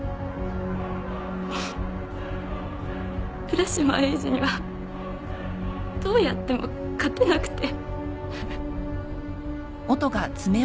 浦島エイジにはどうやっても勝てなくて。